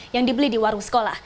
yang dibeli di warung sekolah